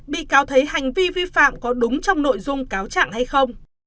bị cáo thấy hành vi vi phạm có đúng trong nội dung cáo trạng hay không